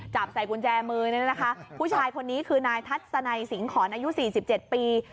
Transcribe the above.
จับใส่กุญแจมือเนี่ยนะคะผู้ชายคนนี้คือนายทัศนัยสิงหอนอายุ๔๗ปี